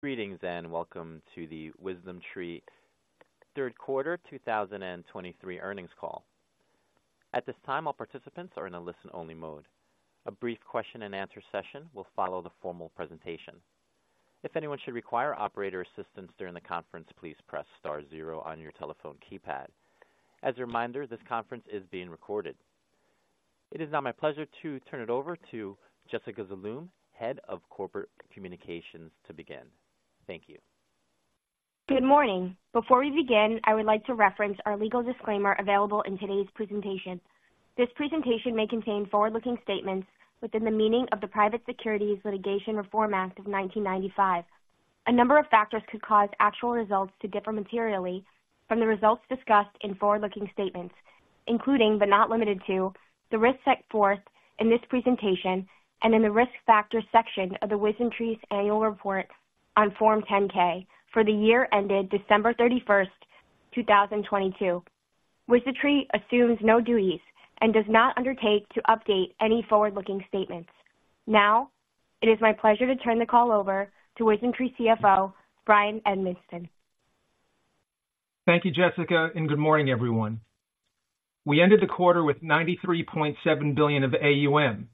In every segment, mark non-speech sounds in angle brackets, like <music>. Greetings, and welcome to the WisdomTree Q3 2023 earnings call. At this time, all participants are in a listen-only mode. A brief question and answer session will follow the formal presentation. If anyone should require operator assistance during the conference, please press star zero on your telephone keypad. As a reminder, this conference is being recorded. It is now my pleasure to turn it over to Jessica Zaloom, Head of Corporate Communications, to begin. Thank you. Good morning. Before we begin, I would like to reference our legal disclaimer available in today's presentation. This presentation may contain forward-looking statements within the meaning of the Private Securities Litigation Reform Act of 1995. A number of factors could cause actual results to differ materially from the results discussed in forward-looking statements, including, but not limited to, the risks set forth in this presentation and in the Risk Factors section of WisdomTree's annual report on Form 10-K for the year ended December 31, 2022. WisdomTree assumes no duties and does not undertake to update any forward-looking statements. Now, it is my pleasure to turn the call over to WisdomTree CFO, Bryan Edmiston. Thank you, Jessica, and good morning, everyone. We ended the quarter with $93.7 billion of AUM,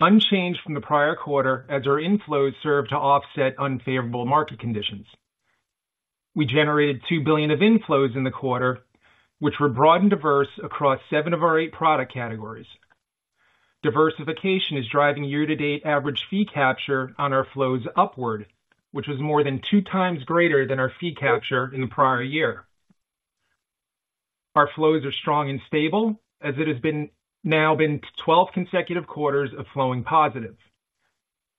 unchanged from the prior quarter, as our inflows served to offset unfavorable market conditions. We generated $2 billion of inflows in the quarter, which were broad and diverse across seven of our eight product categories. Diversification is driving year-to-date average fee capture on our flows upward, which was more than two times greater than our fee capture in the prior year. Our flows are strong and stable, as it has been, now been twelve consecutive quarters of flowing positive.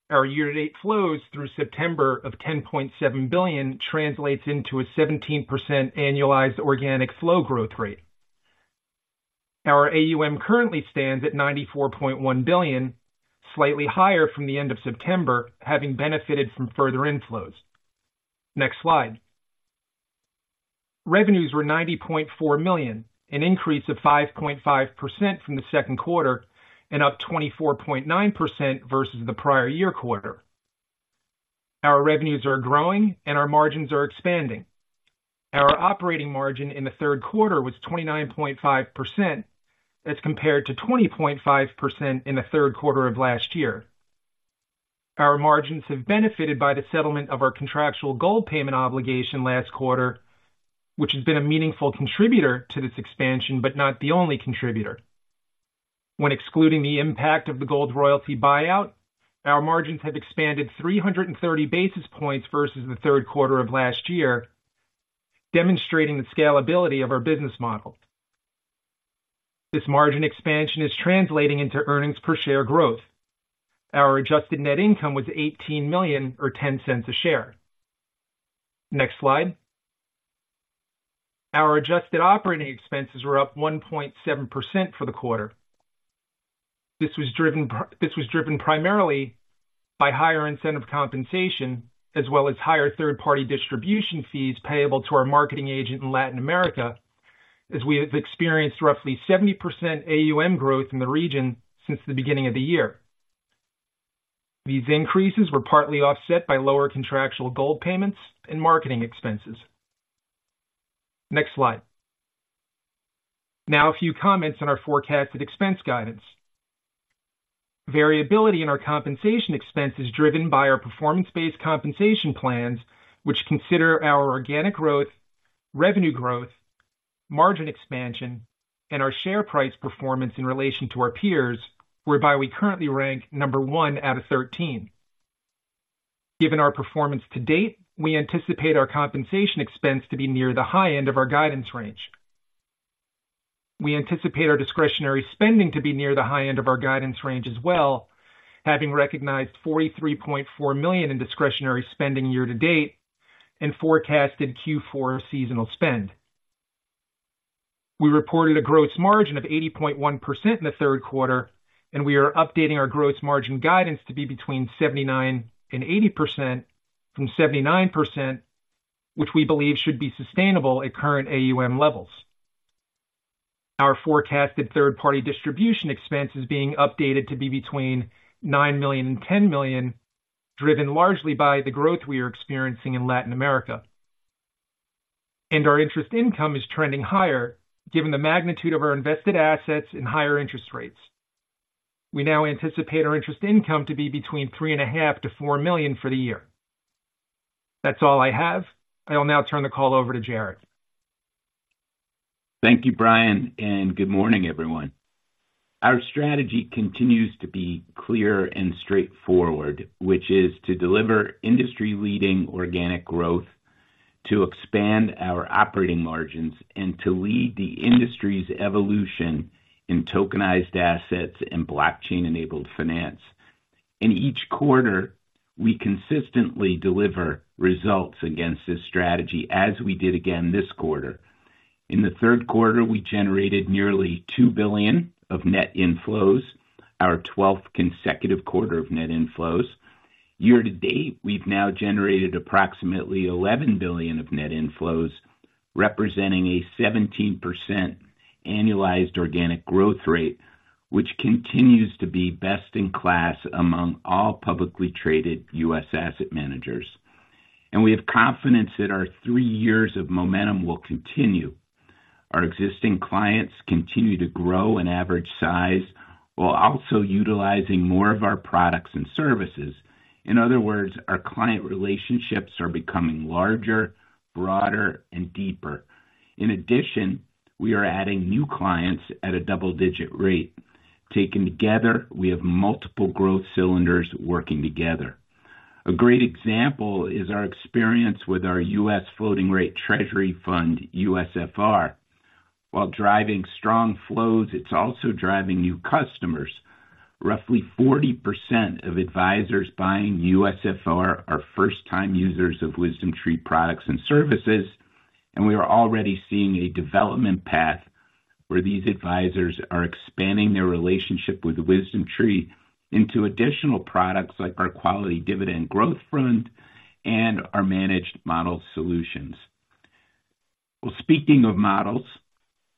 Our year-to-date flows through September of $10.7 billion translates into a 17% annualized organic flow growth rate. Our AUM currently stands at $94.1 billion, slightly higher from the end of September, having benefited from further inflows. Next slide. Revenues were $90.4 million, an increase of 5.5% from the Q2 and up 24.9% versus the prior year quarter. Our revenues are growing, and our margins are expanding. Our operating margin in the Q3 was 29.5%, as compared to 20.5% in the Q3 of last year. Our margins have benefited by the settlement of our contractual gold payment obligation last quarter, which has been a meaningful contributor to this expansion, but not the only contributor. When excluding the impact of the gold royalty buyout, our margins have expanded 330 basis points versus the Q3 of last year, demonstrating the scalability of our business model. This margin expansion is translating into earnings per share growth. Our adjusted net income was $18 million or $0.10 a share. Next slide. Our adjusted operating expenses were up 1.7% for the quarter. This was driven, this was driven primarily by higher incentive compensation, as well as higher third-party distribution fees payable to our marketing agent in Latin America, as we have experienced roughly 70% AUM growth in the region since the beginning of the year. These increases were partly offset by lower contractual gold payments and marketing expenses. Next slide. Now, a few comments on our forecasted expense guidance. Variability in our compensation expense is driven by our performance-based compensation plans, which consider our organic growth, revenue growth, margin expansion, and our share price performance in relation to our peers, whereby we currently rank number 1 out of 13. Given our performance to date, we anticipate our compensation expense to be near the high end of our guidance range. We anticipate our discretionary spending to be near the high end of our guidance range as well, having recognized $43.4 million in discretionary spending year to date and forecasted Q4 seasonal spend. We reported a gross margin of 80.1% in the Q3, and we are updating our gross margin guidance to be between 79%-80% from 79%, which we believe should be sustainable at current AUM levels. Our forecasted third-party distribution expense is being updated to be between $9 million-$10 million, driven largely by the growth we are experiencing in Latin America. Our interest income is trending higher, given the magnitude of our invested assets and higher interest rates. We now anticipate our interest income to be between $3.5 million-$4 million for the year. That's all I have. I will now turn the call over to Jarrett. Thank you, Bryan, and good morning, everyone. Our strategy continues to be clear and straightforward, which is to deliver industry-leading organic growth, to expand our operating margins, and to lead the industry's evolution in tokenized assets and blockchain-enabled finance. In each quarter, we consistently deliver results against this strategy, as we did again this quarter. In the Q3, we generated nearly $2 billion of net inflows, our 12th consecutive quarter of net inflows. Year to date, we've now generated approximately $11 billion of net inflows... representing a 17% annualized organic growth rate, which continues to be best-in-class among all publicly traded U.S. asset managers. We have confidence that our 3 years of momentum will continue. Our existing clients continue to grow in average size, while also utilizing more of our products and services. In other words, our client relationships are becoming larger, broader, and deeper. In addition, we are adding new clients at a double-digit rate. Taken together, we have multiple growth cylinders working together. A great example is our experience with our U.S. Floating Rate Treasury Fund, USFR. While driving strong flows, it's also driving new customers. Roughly 40% of advisors buying USFR are first-time users of WisdomTree products and services, and we are already seeing a development path where these advisors are expanding their relationship with WisdomTree into additional products like our Quality Dividend Growth Fund and our managed model solutions. Well, speaking of models,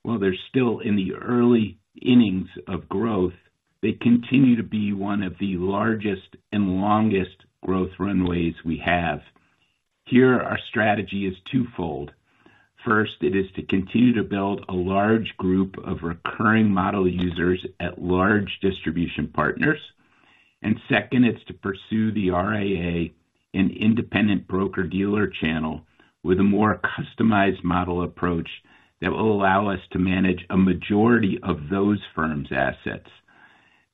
while they're still in the early innings of growth, they continue to be one of the largest and longest growth runways we have. Here, our strategy is twofold. First, it is to continue to build a large group of recurring model users at large distribution partners. And second, it's to pursue the RIA and independent broker-dealer channel with a more customized model approach that will allow us to manage a majority of those firms' assets.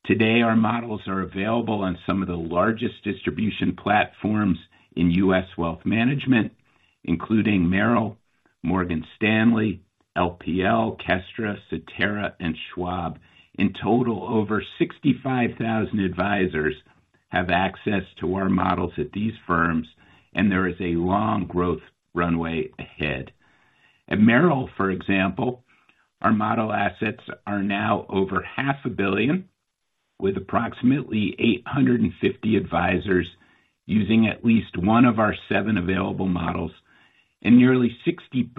Today, our models are available on some of the largest distribution platforms in U.S. wealth management, including Merrill, Morgan Stanley, LPL, Kestra, Cetera, and Schwab. In total, over 65,000 advisors have access to our models at these firms, and there is a long growth runway ahead. At Merrill, for example, our model assets are now over $500 million, with approximately 850 advisors using at least one of our seven available models, and nearly 60%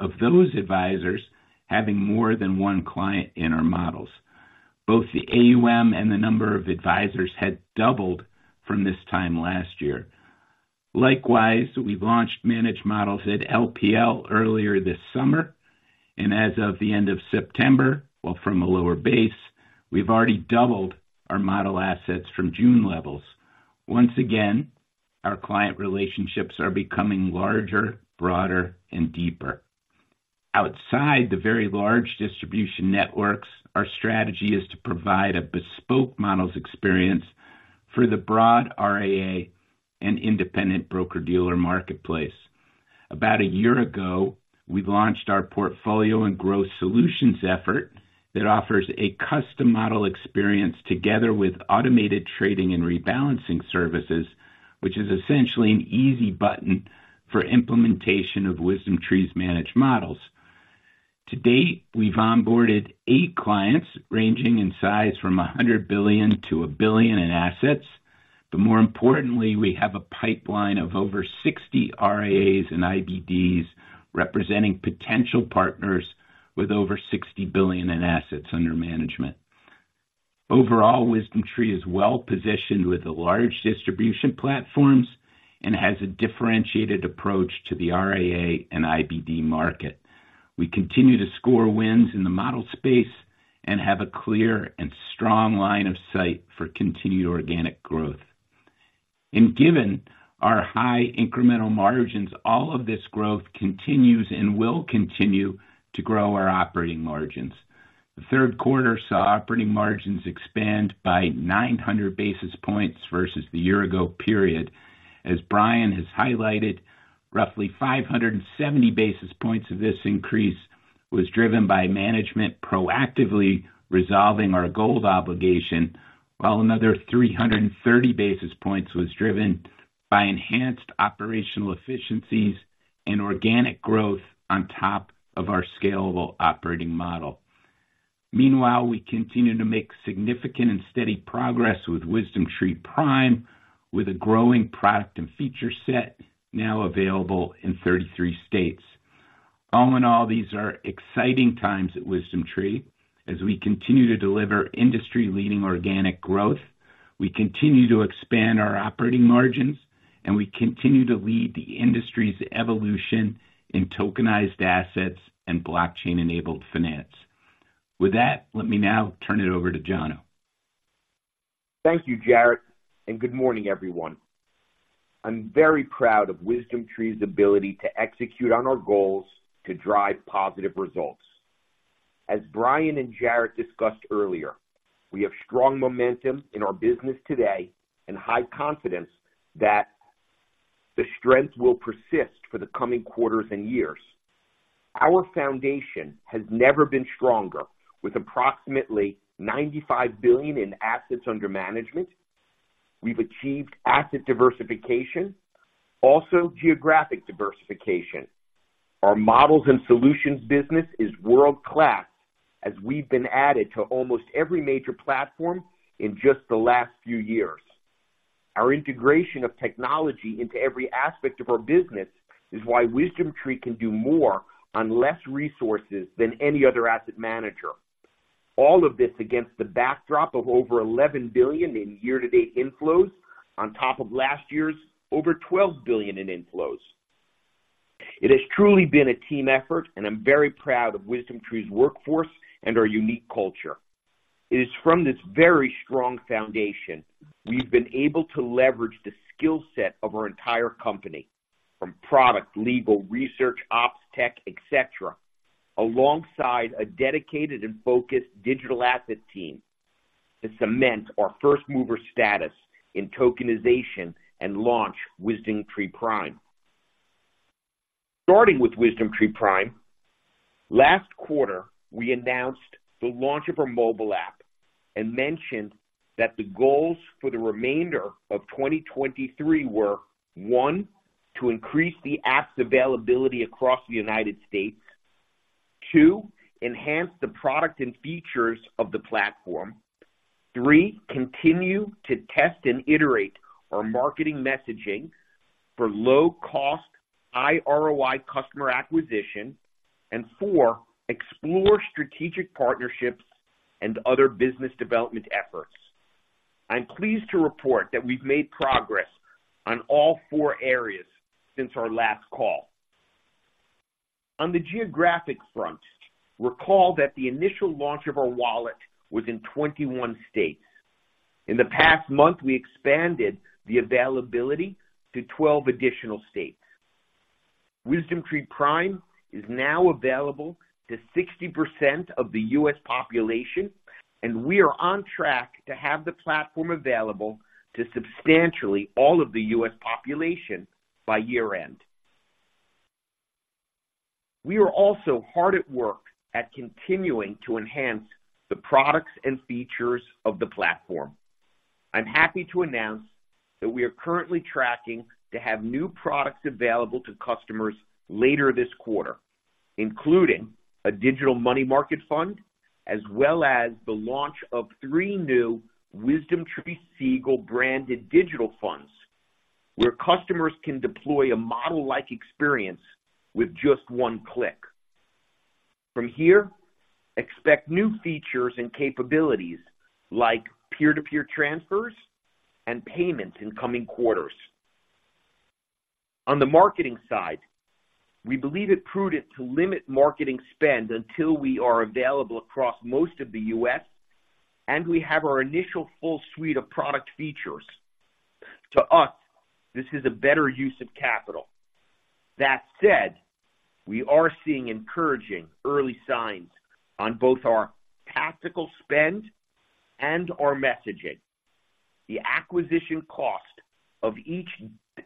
of those advisors having more than one client in our models. Both the AUM and the number of advisors had doubled from this time last year. Likewise, we've launched managed models at LPL earlier this summer, and as of the end of September, well, from a lower base, we've already doubled our model assets from June levels. Once again, our client relationships are becoming larger, broader, and deeper. Outside the very large distribution networks, our strategy is to provide a bespoke models experience for the broad RIA and independent broker-dealer marketplace. About a year ago, we launched our portfolio and growth solutions effort that offers a custom model experience together with automated trading and rebalancing services, which is essentially an easy button for implementation of WisdomTree's managed models. To date, we've onboarded 8 clients, ranging in size from $100 billion-$1 billion in assets. But more importantly, we have a pipeline of over 60 RIAs and IBDs, representing potential partners with over $60 billion in assets under management. Overall, WisdomTree is well positioned with the large distribution platforms and has a differentiated approach to the RIA and IBD market. We continue to score wins in the model space and have a clear and strong line of sight for continued organic growth. And given our high incremental margins, all of this growth continues and will continue to grow our operating margins. The Q3 saw operating margins expand by 900 basis points versus the year ago period. As Bryan has highlighted, roughly 570 basis points of this increase was driven by management proactively resolving our gold obligation, while another 330 basis points was driven by enhanced operational efficiencies and organic growth on top of our scalable operating model. Meanwhile, we continue to make significant and steady progress with WisdomTree Prime, with a growing product and feature set now available in 33 states. All in all, these are exciting times at WisdomTree. As we continue to deliver industry-leading organic growth, we continue to expand our operating margins, and we continue to lead the industry's evolution in tokenized assets and blockchain-enabled finance. With that, let me now turn it over to Jono. Thank you, Jarrett, and good morning, everyone. I'm very proud of WisdomTree's ability to execute on our goals to drive positive results. As Bryan and Jarrett discussed earlier, we have strong momentum in our business today and high confidence that the strength will persist for the coming quarters and years. Our foundation has never been stronger. With approximately $95 billion in assets under management, we've achieved asset diversification, also geographic diversification. Our models and solutions business is world-class, as we've been added to almost every major platform in just the last few years.... Our integration of technology into every aspect of our business is why WisdomTree can do more on less resources than any other asset manager. All of this against the backdrop of over $11 billion in year-to-date inflows, on top of last year's over $12 billion in inflows. It has truly been a team effort, and I'm very proud of WisdomTree's workforce and our unique culture. It is from this very strong foundation, we've been able to leverage the skill set of our entire company, from product, legal, research, ops, tech, et cetera, alongside a dedicated and focused digital asset team, to cement our first-mover status in tokenization and launch WisdomTree Prime. Starting with WisdomTree Prime, last quarter, we announced the launch of our mobile app and mentioned that the goals for the remainder of 2023 were: one, to increase the app's availability across the U.S.. Two, enhance the product and features of the platform. Three, continue to test and iterate our marketing messaging for low-cost, high ROI customer acquisition. And four, explore strategic partnerships and other business development efforts. I'm pleased to report that we've made progress on all four areas since our last call. On the geographic front, recall that the initial launch of our wallet was in 21 states. In the past month, we expanded the availability to 12 additional states. WisdomTree Prime is now available to 60% of the U.S. population, and we are on track to have the platform available to substantially all of the U.S. population by year-end. We are also hard at work at continuing to enhance the products and features of the platform. I'm happy to announce that we are currently tracking to have new products available to customers later this quarter, including a digital money market fund, as well as the launch of three new WisdomTree Siegel branded digital funds, where customers can deploy a model-like experience with just one click. From here, expect new features and capabilities like peer-to-peer transfers and payments in coming quarters. On the marketing side, we believe it prudent to limit marketing spend until we are available across most of the U.S., and we have our initial full suite of product features. To us, this is a better use of capital. That said, we are seeing encouraging early signs on both our tactical spend and our messaging. The acquisition cost of each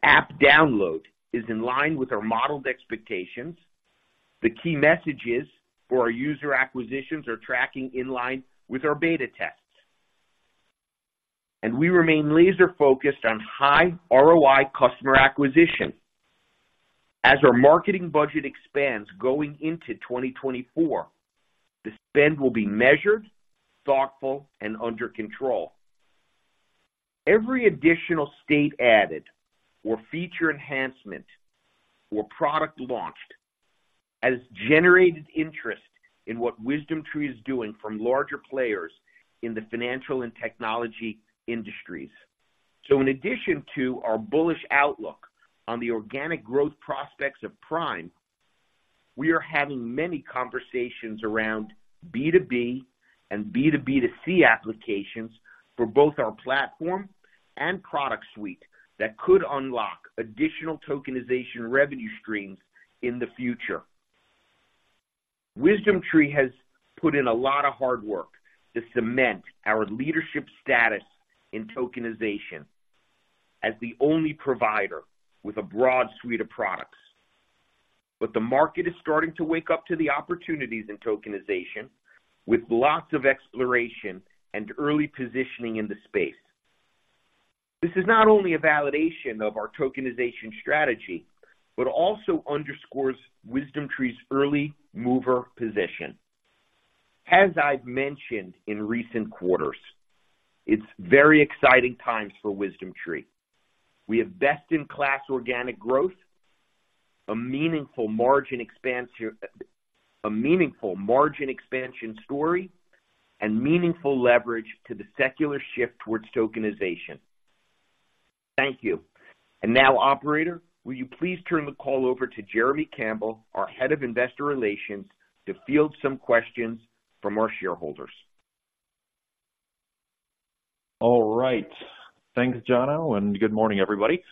app download is in line with our modeled expectations. The key messages for our user acquisitions are tracking in line with our beta tests. And we remain laser-focused on high ROI customer acquisition. As our marketing budget expands going into 2024, the spend will be measured, thoughtful, and under control. Every additional state added or feature enhancement or product launched has generated interest in what WisdomTree is doing from larger players in the financial and technology industries. So in addition to our bullish outlook on the organic growth prospects of Prime, we are having many conversations around B2B and B2B2C applications for both our platform and product suite that could unlock additional tokenization revenue streams in the future. WisdomTree has put in a lot of hard work to cement our leadership status in tokenization as the only provider with a broad suite of products. But the market is starting to wake up to the opportunities in tokenization, with lots of exploration and early positioning in the space. This is not only a validation of our tokenization strategy, but also underscores WisdomTree's early mover position. As I've mentioned in recent quarters, it's very exciting times for WisdomTree. We have best-in-class organic growth, a meaningful margin expansion story, and meaningful leverage to the secular shift towards tokenization. Thank you. Now, operator, will you please turn the call over to Jeremy Campbell, our Head of Investor Relations, to field some questions from our shareholders? All right. Thanks, Jono, and good morning, everybody.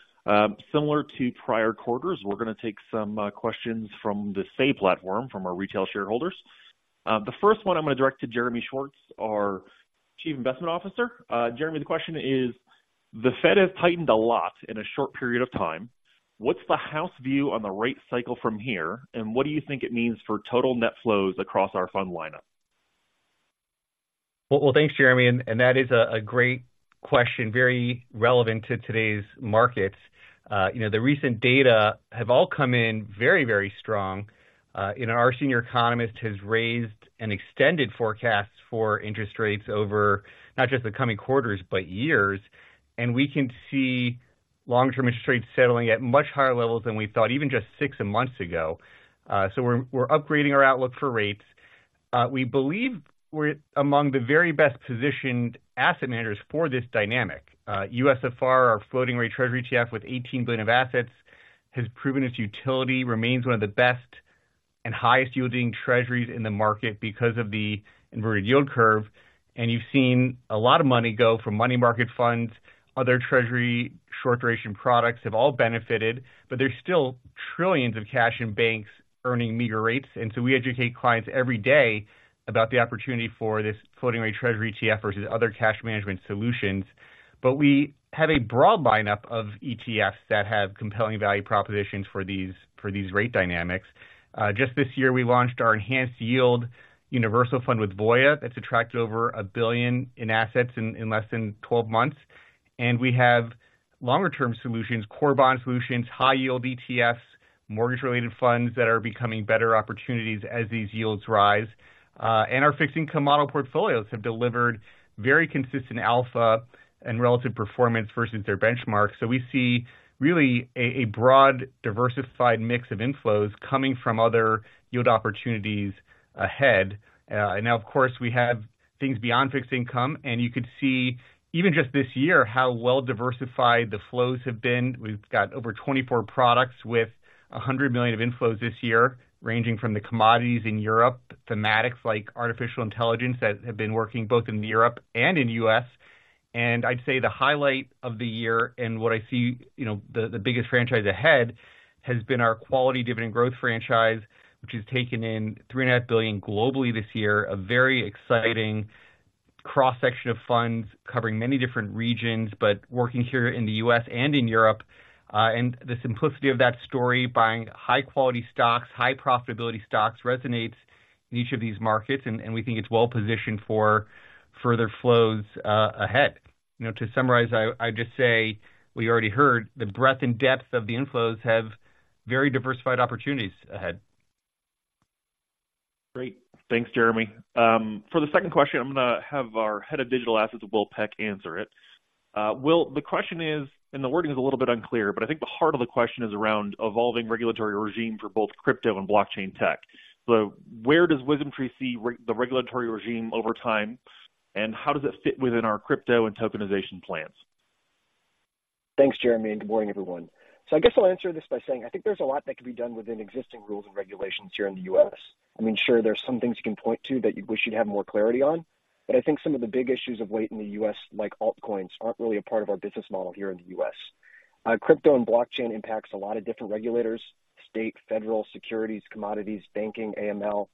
Similar to prior quarters, we're gonna take some questions from the Say platform, from our retail shareholders. The first one I'm going to direct to Jeremy Schwartz, our Chief Investment Officer. Jeremy, the question is: The Fed has tightened a lot in a short period of time. What's the house view on the rate cycle from here, and what do you think it means for total net flows across our fund lineup? Well, thanks, Jeremy, that is a great question, very relevant to today's markets. You know, the recent data have all come in very, very strong. And our senior economist has raised an extended forecast for interest rates over not just the coming quarters, but years. We can see long-term interest rates settling at much higher levels than we thought, even just six months ago. So we're upgrading our outlook for rates. We believe we're among the very best-positioned asset managers for this dynamic. USFR, our floating-rate treasury ETF, with $18 billion of assets, has proven its utility, remains one of the best and highest-yielding treasuries in the market because of the inverted yield curve. You've seen a lot of money go from money market funds. Other treasury short-duration products have all benefited, but there's still trillions of cash in banks earning meager rates. We educate clients every day about the opportunity for this floating-rate treasury ETF versus other cash management solutions. We have a broad lineup of ETFs that have compelling value propositions for these rate dynamics. Just this year, we launched our Enhanced Yield Universal Fund with Voya. That's attracted over $1 billion in assets in less than 12 months. We have longer-term solutions, core bond solutions, high-yield ETFs, mortgage-related funds that are becoming better opportunities as these yields rise. Our fixed income model portfolios have delivered very consistent alpha and relative performance versus their benchmarks. We see really a broad, diversified mix of inflows coming from other yield opportunities ahead. Now, of course, we have things beyond fixed income, and you could see even just this year, how well diversified the flows have been. We've got over 24 products with $100 million of inflows this year, ranging from the commodities in Europe, thematics like artificial intelligence, that have been working both in Europe and in U.S. I'd say the highlight of the year and what I see, you know, the biggest franchise ahead, has been our quality dividend growth franchise, which has taken in $3.5 billion globally this year. A very exciting cross-section of funds covering many different regions, but working here in the U.S. and in Europe. The simplicity of that story, buying high-quality stocks, high-profitability stocks, resonates in each of these markets, and we think it's well positioned for further flows ahead. You know, to summarize, I, I'd just say we already heard the breadth and depth of the inflows have very diversified opportunities ahead. Great. Thanks, Jeremy. For the second question, I'm going to have our head of digital assets, Will Peck, answer it. Will, the question is, and the wording is a little bit unclear, but I think the heart of the question is around evolving regulatory regime for both crypto and blockchain tech. So where does WisdomTree see the regulatory regime over time, and how does it fit within our crypto and tokenization plans? Thanks, Jeremy, and good morning, everyone. So I guess I'll answer this by saying I think there's a lot that can be done within existing rules and regulations here in the U.S. I mean, sure, there are some things you can point to that you wish you'd have more clarity on, but I think some of the big issues of weight in the U.S., like altcoins, aren't really a part of our business model here in the U.S. Crypto and blockchain impacts a lot of different regulators: state, federal, securities, commodities, banking, AML.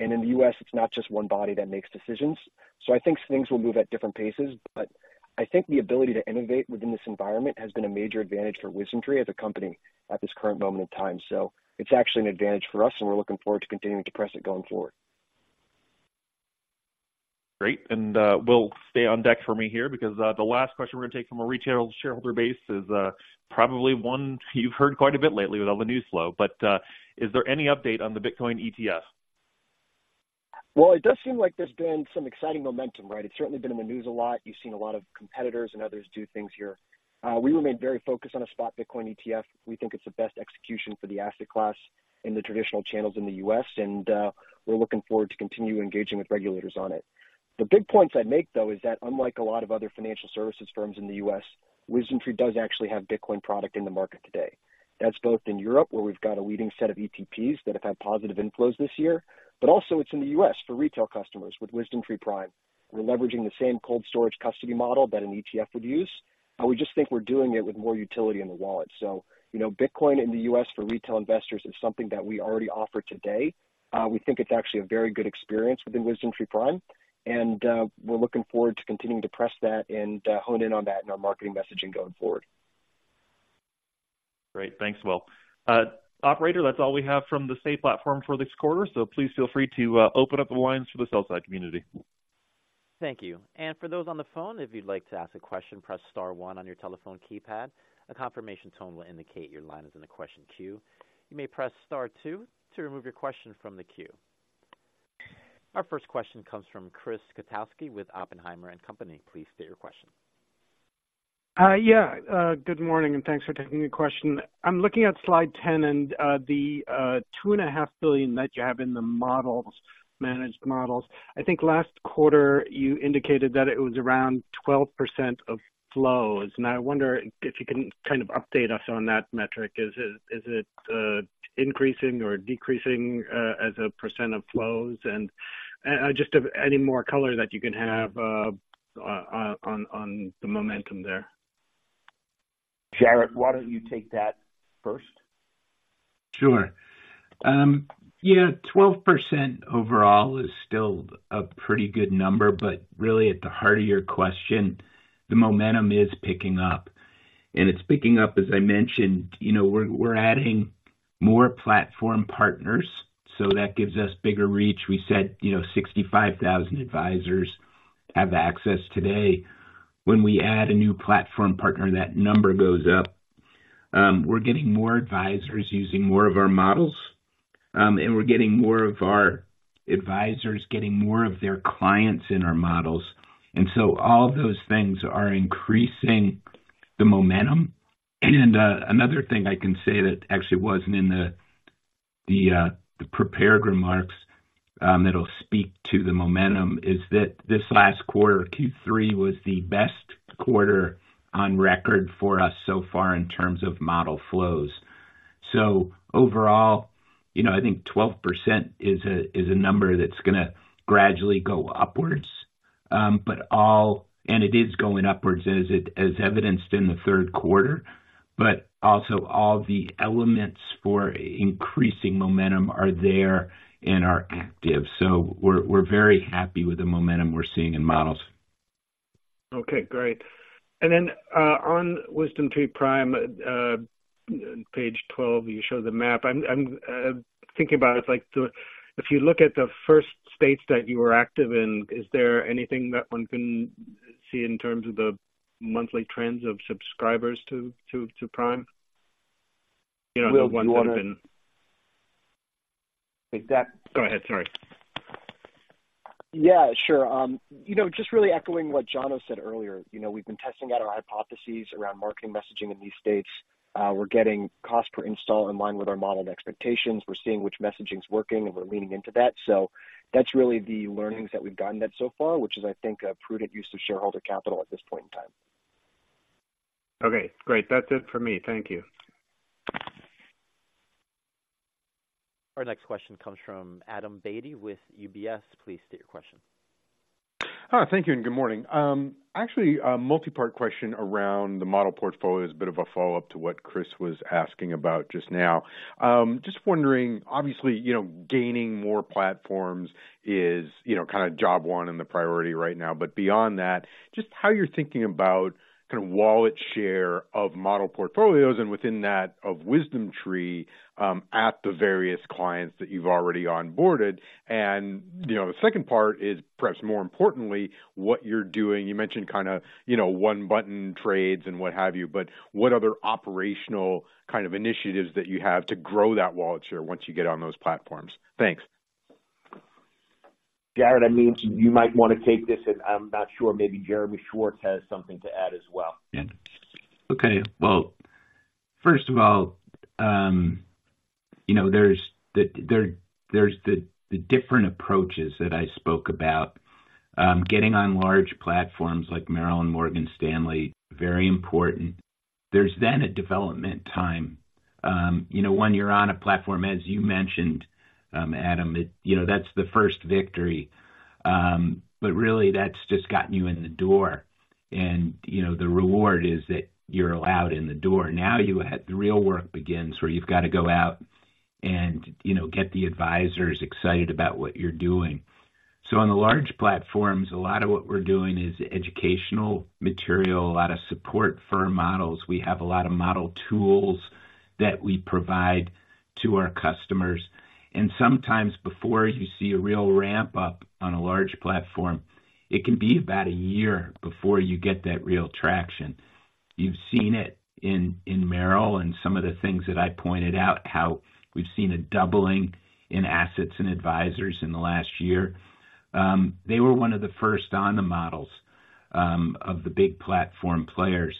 And in the U.S., it's not just one body that makes decisions. So I think things will move at different paces, but I think the ability to innovate within this environment has been a major advantage for WisdomTree as a company at this current moment in time. It's actually an advantage for us, and we're looking forward to continuing to press it going forward. Great. And, Will, stay on deck for me here, because the last question we're going to take from a retail shareholder base is probably one you've heard quite a bit lately with all the news flow, but is there any update on the Bitcoin ETF? Well, it does seem like there's been some exciting momentum, right? It's certainly been in the news a lot. You've seen a lot of competitors and others do things here. We remain very focused on a Spot Bitcoin ETF. We think it's the best execution for the asset class in the traditional channels in the U.S., and we're looking forward to continue engaging with regulators on it. The big points I'd make, though, is that unlike a lot of other financial services firms in the U.S., WisdomTree does actually have Bitcoin product in the market today. That's both in Europe, where we've got a leading set of ETPs that have had positive inflows this year, but also it's in the U.S. for retail customers with WisdomTree Prime. We're leveraging the same cold storage custody model that an ETF would use. We just think we're doing it with more utility in the wallet. So, you know, Bitcoin in the U.S. for retail investors is something that we already offer today. We think it's actually a very good experience within WisdomTree Prime, and we're looking forward to continuing to press that and hone in on that in our marketing messaging going forward. Great. Thanks, Will. Operator, that's all we have from the Say platform for this quarter, so please feel free to open up the lines for the sell side community. Thank you. For those on the phone, if you'd like to ask a question, press star one on your telephone keypad. A confirmation tone will indicate your line is in the question queue. You may press star two to remove your question from the queue. Our first question comes from Chris Kotowski with Oppenheimer and Company. Please state your question. Yeah, good morning, and thanks for taking the question. I'm looking at slide 10 and the $2.5 billion that you have in the models, managed models. I think last quarter you indicated that it was around 12% of flows, and I wonder if you can kind of update us on that metric. Is it increasing or decreasing as a percent of flows? And just any more color that you can have on the momentum there. Jarrett, why don't you take that first? Sure. Yeah, 12% overall is still a pretty good number, but really, at the heart of your question, the momentum is picking up, and it's picking up as I mentioned. You know, we're adding more platform partners, so that gives us bigger reach. We said, you know, 65,000 advisors have access today. When we add a new platform partner, that number goes up.... We're getting more advisors using more of our models, and we're getting more of our advisors getting more of their clients in our models. And so all those things are increasing the momentum. And, another thing I can say that actually wasn't in the prepared remarks, that'll speak to the momentum, is that this last quarter, Q3, was the best quarter on record for us so far in terms of model flows. So overall, you know, I think 12% is a number that's going to gradually go upwards. But it is going upwards, as evidenced in the Q3. But also all the elements for increasing momentum are there and are active. So we're very happy with the momentum we're seeing in models. Okay, great. And then, on WisdomTree Prime, page twelve, you show the map. I'm thinking about it, like, the... If you look at the first states that you were active in, is there anything that one can see in terms of the monthly trends of subscribers to Prime? You know, <crosstalk> the ones that have been- Take that. Go ahead. Sorry. Yeah, sure. You know, just really echoing what Jono said earlier, you know, we've been testing out our hypotheses around marketing messaging in these states. We're getting cost per install in line with our modeled expectations. We're seeing which messaging is working, and we're leaning into that. So that's really the learnings that we've gotten so far, which is, I think, a prudent use of shareholder capital at this point in time. Okay, great. That's it for me. Thank you. Our next question comes from Adam Beatty with UBS. Please state your question. Hi, thank you, and good morning. Actually, a multipart question around the model portfolio as a bit of a follow-up to what Chris was asking about just now. Just wondering, obviously, you know, gaining more platforms is, you know, kind of job one and the priority right now. But beyond that, just how you're thinking about kind of wallet share of model portfolios and within that, of WisdomTree, at the various clients that you've already onboarded. And, you know, the second part is, perhaps more importantly, what you're doing. You mentioned kind of, you know, one-button trades and what have you, but what other operational kind of initiatives that you have to grow that wallet share once you get on those platforms? Thanks. Jarrett, I mean, you might want to take this, and I'm not sure. Maybe Jeremy Schwartz has something to add as well. Yeah. Okay. Well, first of all, you know, there's the different approaches that I spoke about. Getting on large platforms like Merrill and Morgan Stanley, very important. There's then a development time. You know, when you're on a platform, as you mentioned, Adam, it you know, that's the first victory. But really, that's just gotten you in the door and, you know, the reward is that you're allowed in the door. Now, the real work begins, where you've got to go out and, you know, get the advisors excited about what you're doing. So on the large platforms, a lot of what we're doing is educational material, a lot of support for our models. We have a lot of model tools that we provide to our customers, and sometimes before you see a real ramp-up on a large platform, it can be about a year before you get that real traction. You've seen it in Merrill and some of the things that I pointed out, how we've seen a doubling in assets and advisors in the last year. They were one of the first on the models, of the big platform players.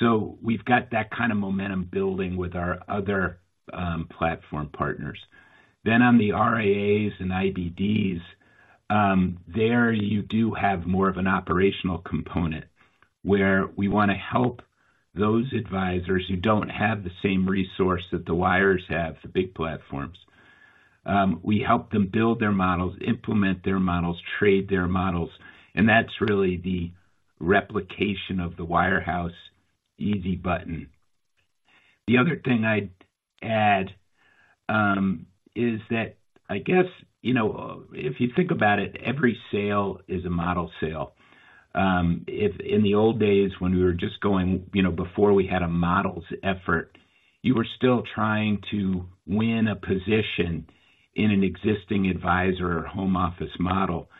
So we've got that kind of momentum building with our other platform partners. Then on the RIAs and IBDs, there you do have more of an operational component, where we want to help those advisors who don't have the same resource that the wires have, the big platforms. We help them build their models, implement their models, trade their models, and that's really the replication of the wirehouse easy button. The other thing I'd add is that I guess, you know, if you think about it, every sale is a model sale. If in the old days when we were just going, you know, before we had a models effort, you were still trying to win a position in an existing advisor or home office model.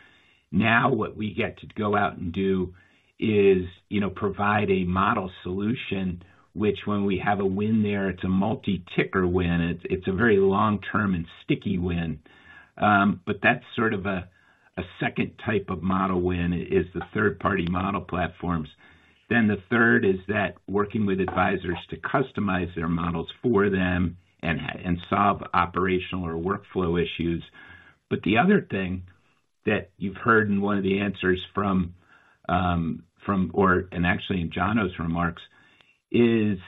Now, what we get to go out and do is, you know, provide a model solution, which when we have a win there, it's a multi-ticker win. It's a very long-term and sticky win. But that's sort of a second type of model win, is the third-party model platforms. Then the third is that working with advisors to customize their models for them and solve operational or workflow issues. But the other thing that you've heard in one of the answers from, and actually in Jono's remarks, is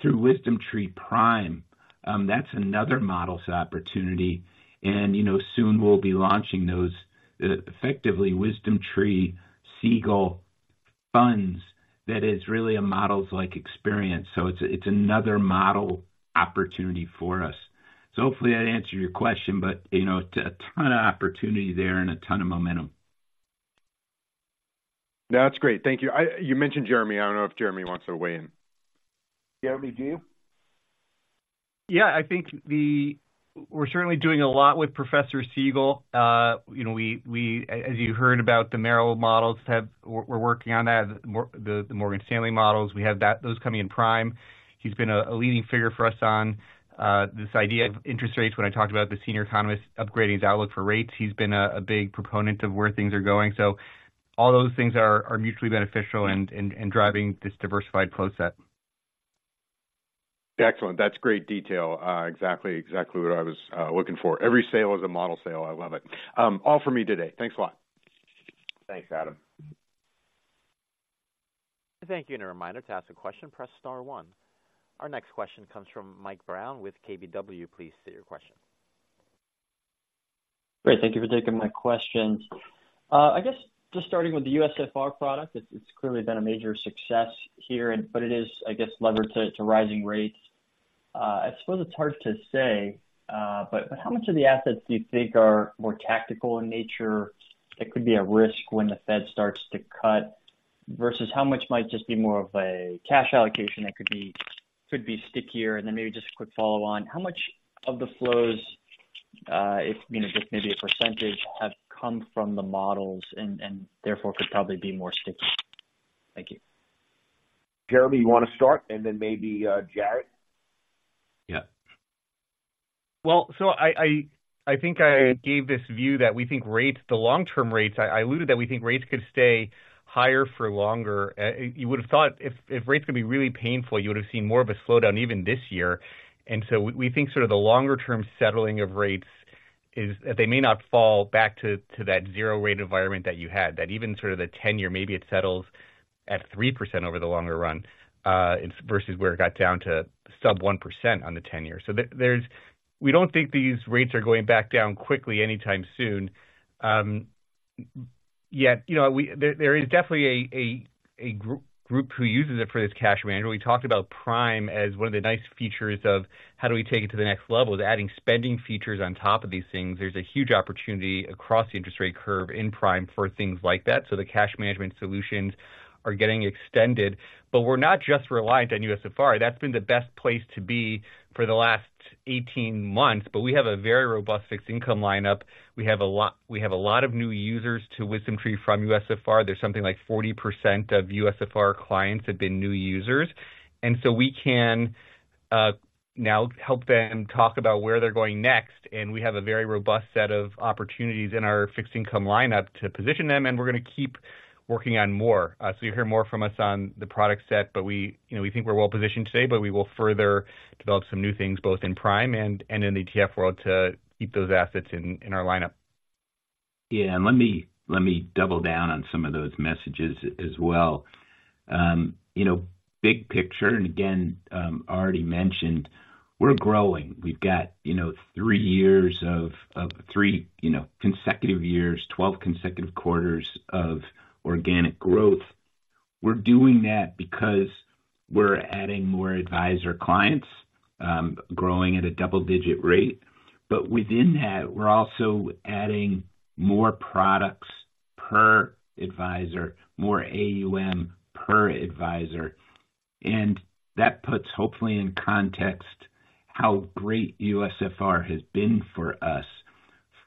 through WisdomTree Prime. That's another models opportunity. And, you know, soon we'll be launching those, effectively, WisdomTree Siegel funds. That is really a models-like experience, so it's another model opportunity for us. So hopefully that answered your question, but, you know, a ton of opportunity there and a ton of momentum. That's great. Thank you. I... You mentioned Jeremy. I don't know if Jeremy wants to weigh in. Jeremy, do you?... Yeah, I think the-- we're certainly doing a lot with Professor Siegel. You know, we as you heard about the Merrill models, we're working on that. The Morgan Stanley models, we have those coming in Prime. He's been a leading figure for us on this idea of interest rates. When I talked about the senior economist upgrading his outlook for rates, he's been a big proponent of where things are going. So all those things are mutually beneficial and driving this diversified flow set. Excellent. That's great detail. Exactly, exactly what I was looking for. Every sale is a model sale. I love it. All for me today. Thanks a lot. Thanks, Adam. Thank you. A reminder, to ask a question, press star one. Our next question comes from Mike Brown with KBW. Please state your question. Great. Thank you for taking my question. I guess just starting with the USFR product, it's clearly been a major success here, but it is, I guess, levered to rising rates. I suppose it's hard to say, but how much of the assets do you think are more tactical in nature, that could be at risk when the Fed starts to cut, versus how much might just be more of a cash allocation that could be stickier? And then maybe just a quick follow on. How much of the flows, if you know, just maybe a percentage, have come from the models and therefore could probably be more sticky? Thank you. Jeremy, you want to start and then maybe, Jarrett? Yeah. Well, so I think I gave this view that we think rates, the long-term rates. I alluded that we think rates could stay higher for longer. You would have thought if rates could be really painful, you would have seen more of a slowdown even this year. So we think sort of the longer term settling of rates is... They may not fall back to that zero rate environment that you had, that even sort of the 10-year, maybe it settles at 3% over the longer run, versus where it got down to sub-1% on the 10-year. So there's. We don't think these rates are going back down quickly anytime soon. Yet, you know, we. There is definitely a group who uses it for this cash management. We talked about Prime as one of the nice features of how do we take it to the next level, is adding spending features on top of these things. There's a huge opportunity across the interest rate curve in Prime for things like that. So the cash management solutions are getting extended. But we're not just reliant on USFR. That's been the best place to be for the last 18 months, but we have a very robust fixed income lineup. We have a lot, we have a lot of new users to WisdomTree from USFR. There's something like 40% of USFR clients have been new users, and so we can now help them talk about where they're going next. And we have a very robust set of opportunities in our fixed income lineup to position them, and we're going to keep working on more. So you'll hear more from us on the product set, but we, you know, we think we're well positioned today, but we will further develop some new things, both in Prime and in the ETF world, to keep those assets in our lineup. Yeah, let me double down on some of those messages as well. You know, big picture, and again, already mentioned, we're growing. We've got three years of three consecutive years, 12 consecutive quarters of organic growth. We're doing that because we're adding more advisor clients, you know, growing at a double-digit rate. Within that, we're also adding more products per advisor, more AUM per advisor, and that puts, hopefully, in context, how great USFR has been for us.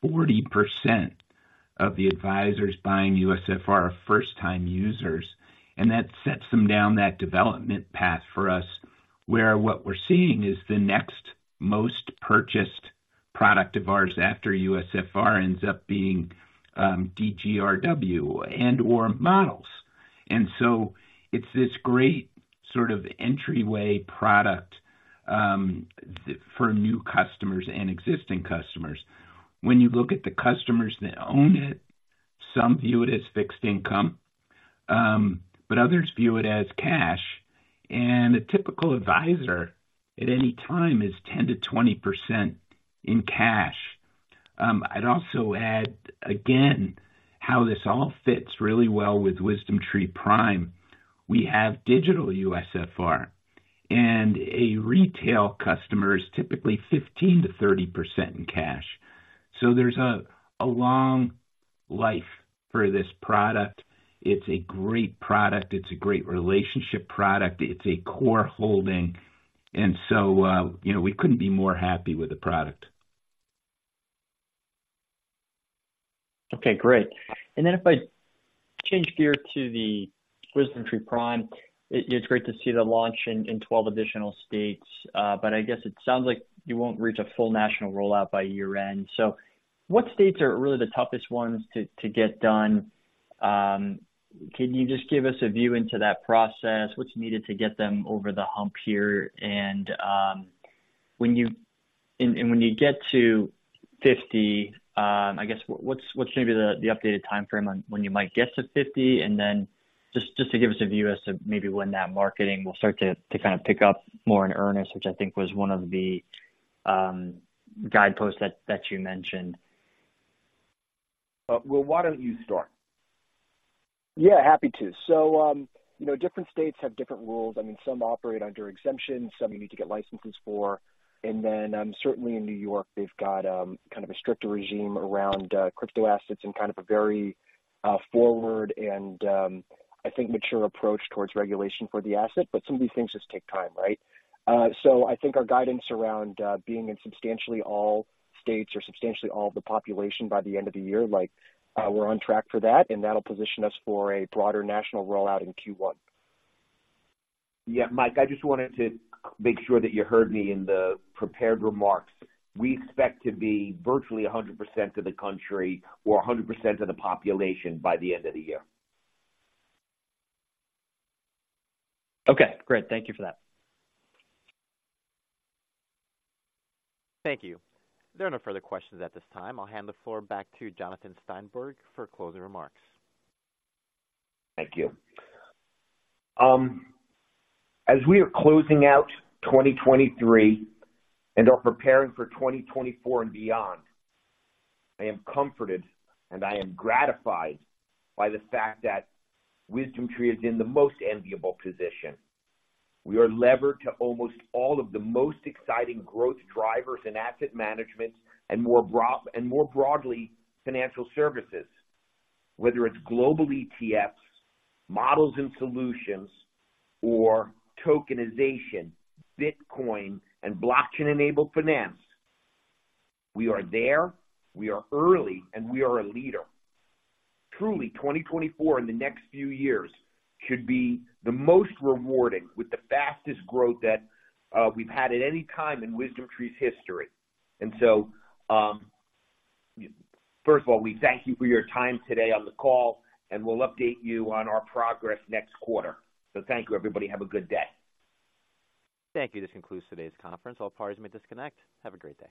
40% of the advisors buying USFR are first-time users, and that sets them down that development path for us, where what we're seeing is the next most purchased product of ours after USFR ends up being DGRW and/or models. It's this great sort of entryway product for new customers and existing customers. When you look at the customers that own it, some view it as fixed income, but others view it as cash, and a typical advisor at any time is 10%-20% in cash. I'd also add again, how this all fits really well with WisdomTree Prime. We have digital USFR, and a retail customer is typically 15%-30% in cash, so there's a long life for this product. It's a great product. It's a great relationship product. It's a core holding, and so, you know, we couldn't be more happy with the product. Okay, great. And then if I change gear to the WisdomTree Prime, it's great to see the launch in 12 additional states, but I guess it sounds like you won't reach a full national rollout by year-end. So what states are really the toughest ones to get done? Can you just give us a view into that process? What's needed to get them over the hump here? And when you get to 50, I guess, what's the updated timeframe on when you might get to 50? And then just to give us a view as to maybe when that marketing will start to kind of pick up more in earnest, which I think was one of the guideposts that you mentioned. Well, why don't you start?... Yeah, happy to. So, you know, different states have different rules. I mean, some operate under exemptions, some you need to get licenses for. And then, certainly in New York, they've got kind of a stricter regime around crypto assets and kind of a very forward and, I think, mature approach towards regulation for the asset. But some of these things just take time, right? So I think our guidance around being in substantially all states or substantially all of the population by the end of the year, like, we're on track for that, and that'll position us for a broader national rollout in Q1. Yeah, Mike, I just wanted to make sure that you heard me in the prepared remarks. We expect to be virtually 100% of the country or 100% of the population by the end of the year. Okay, great. Thank you for that. Thank you. There are no further questions at this time. I'll hand the floor back to Jonathan Steinberg for closing remarks. Thank you. As we are closing out 2023 and are preparing for 2024 and beyond, I am comforted, and I am gratified by the fact that WisdomTree is in the most enviable position. We are levered to almost all of the most exciting growth drivers in asset management and more broad- and more broadly, financial services. Whether it's global ETFs, models and solutions, or tokenization, Bitcoin, and blockchain-enabled finance, we are there, we are early, and we are a leader. Truly, 2024 and the next few years should be the most rewarding with the fastest growth that we've had at any time in WisdomTree's history. And so, first of all, we thank you for your time today on the call, and we'll update you on our progress next quarter. So thank you, everybody. Have a good day. Thank you. This concludes today's conference. All parties may disconnect. Have a great day.